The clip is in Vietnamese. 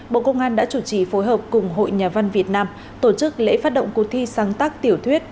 bộ công an đã chủ trì phối hợp cùng hội nhà văn việt nam tổ chức lễ phát động cuộc thi sáng tác tiểu thuyết